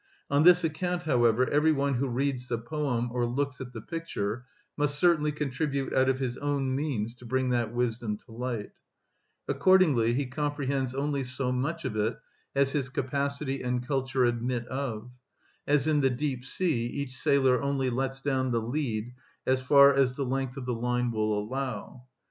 On this account, however, every one who reads the poem or looks at the picture must certainly contribute out of his own means to bring that wisdom to light; accordingly he comprehends only so much of it as his capacity and culture admit of; as in the deep sea each sailor only lets down the lead as far as the length of the line will allow.